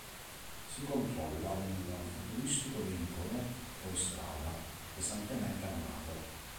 Si controlla un futuristico veicolo fuoristrada pesantemente armato.